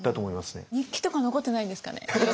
日記とか残ってないんですかね？